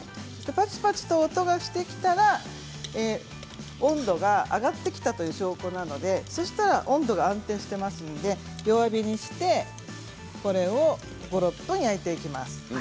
パチパチと音がしてきたら温度が上がってきたという証拠なので、そうしたら温度は安定していますので弱火にして５、６分焼いていきます。